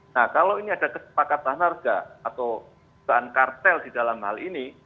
nah kalau ini ada kesepakatan harga atau bahan kartel di dalam hal ini